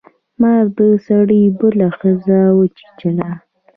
مار د سړي بله ښځه وچیچله.